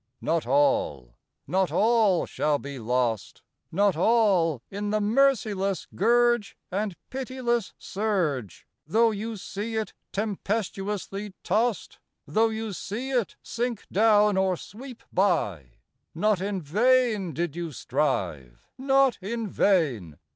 Not all, not all shall be lost, Not all, in the merciless gurge And pitiless surge! Though you see it tempestuously tossed, Though you see it sink down or sweep by, Not in vain did you strive, not in vain!